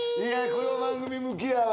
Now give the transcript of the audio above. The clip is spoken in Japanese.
この番組向きやわ。